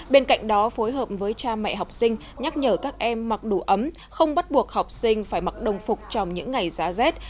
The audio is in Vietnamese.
bên cạnh đó phối hợp với cha mẹ học sinh nhắc nhở các em mặc đủ ấm không bắt buộc học sinh phải mặc đồng phục trong những ngày giá rét